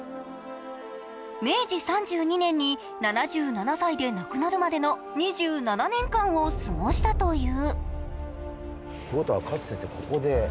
明治３２年に７７歳で亡くなるまでの２７年間を過ごしたという。